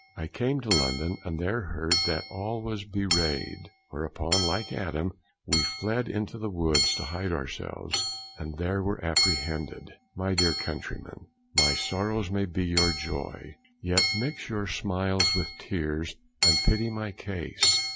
I came to London, and there heard that all was bewrayed; whereupon, like Adam, we fled into the woods to hide ourselves, and there were apprehended. My dear countrymen, my sorrows may be your joy, yet mix your smiles with tears, and pity my case.